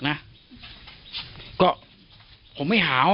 คิดว่าจะจบเลยไหม